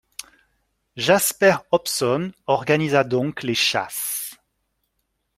Jasper Hobson organisa donc les chasses.